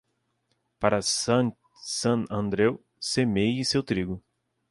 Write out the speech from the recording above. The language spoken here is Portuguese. Para Sant Andreu, semeie seu trigo.